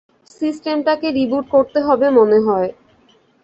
সিস্টেমটাকে রিবুট করতে হবে মনে হয়।